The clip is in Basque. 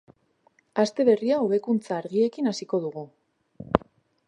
Aste berria hobekuntza argiekin hasiko dugu.